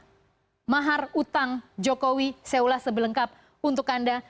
nah mahar utang jokowi seula sebelengkap untuk anda